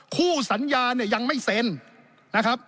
คู่สัญญาเนี่ยยังไม่เซ็นนะครับ